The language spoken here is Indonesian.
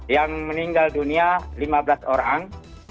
yang meninggal dunia lima belas orang